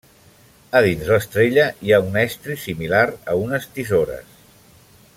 A dins l'estrella hi ha un estri similar a unes tisores.